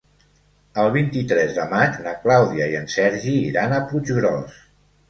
El vint-i-tres de maig na Clàudia i en Sergi iran a Puiggròs.